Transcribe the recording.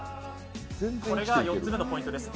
これが４つ目のポイントです。